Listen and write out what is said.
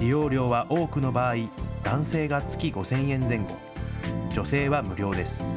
利用料は多くの場合、男性が月５０００円前後、女性は無料です。